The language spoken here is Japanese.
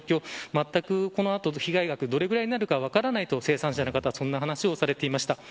まったく、この後、被害額がどのぐらいなるか分からないと生産者の方はそんな話をしていました。